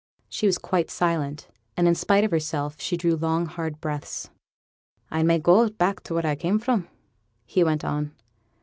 She was quite silent, but in spite of herself she drew long hard breaths. 'I may go back to where I came from,' he went on.